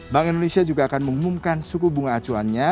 bank indonesia juga akan mengumumkan suku bunga acuannya